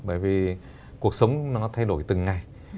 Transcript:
bởi vì cuộc sống nó thay đổi từng ngày